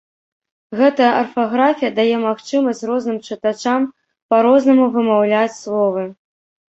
Гэтая арфаграфія дае магчымасць розным чытачам па-рознаму вымаўляць словы.